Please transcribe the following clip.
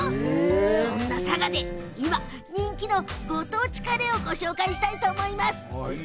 そんな佐賀で今人気のご当地カレーをご紹介したいと思います。